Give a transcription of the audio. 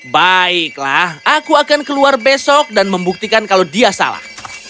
baiklah aku akan keluar besok dan membuktikan kalau dia salah